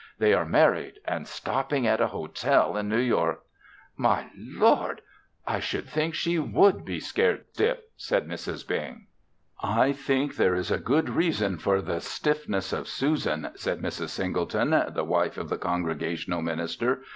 They are married and stopping at a hotel in New York." "My lord! I should think she would be scared stiff," said Mrs. Bing. "I think there is a good reason for the stiffness of Susan," said Mrs. Singleton, the wife of the Congregational minister.